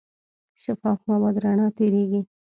شفاف مواد رڼا تېرېږي.